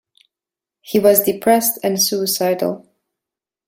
He was depressed and suicidal.